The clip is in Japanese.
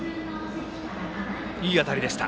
いい当たりでした。